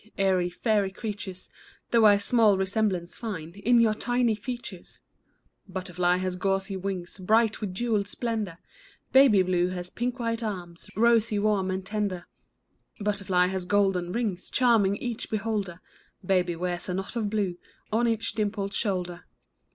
Airy, fairy creatures, Though I small resemblance find In your tiny features ! Butterfly has gauzy wings. Bright with jewelled splendor ; Baby Blue has pink white arms, Rosy, warm, and tender. Butterfly has golden rings. Charming each beholder ; Baby wears a knot of blue On each dimpled shoulder.